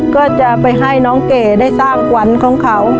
ก็จะไปให้น้องเก๋ได้สร้างขวัญของเขา